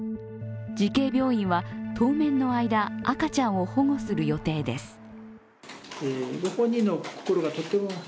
慈恵病院は当面の間、赤ちゃんを保護する予定です。